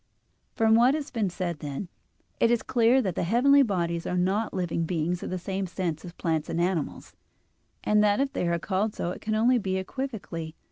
From what has been said, then, it is clear that the heavenly bodies are not living beings in the same sense as plants and animals, and that if they are called so, it can only be equivocally.